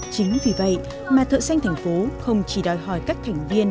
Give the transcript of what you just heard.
chính vì vậy mà thợ xanh thành phố không chỉ đòi hỏi các thành viên